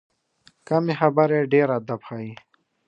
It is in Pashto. کمې خبرې، ډېر ادب ښیي.